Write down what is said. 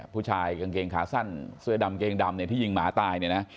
ผู้ชายกางเกงขาสั้นเสื้อดำเกงดำที่ยิงหมาตาย